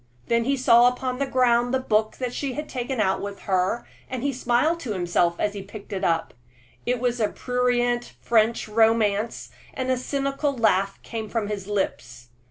Then he saw upon the ground the book she had taken out with her, and smiled to himself as he picked it up. It was a prurient French romance, and a cynical laugh came from his lips.